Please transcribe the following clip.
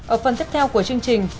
ở phần tiếp theo của chương trình